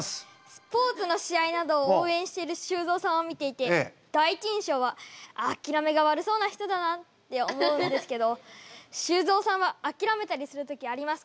スポーツの試合などを応援している修造さんを見ていて第一印象はあきらめが悪そうな人だなって思うんですけど修造さんはあきらめたりする時ありますか？